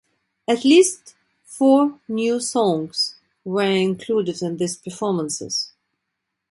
At least four new songs were included in these performances.